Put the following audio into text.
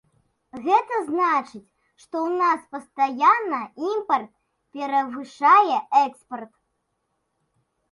Гэта значыць, што ў нас пастаянна імпарт перавышае экспарт.